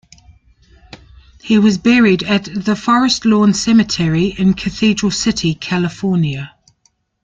He was buried at the Forest Lawn Cemetery in Cathedral City, California.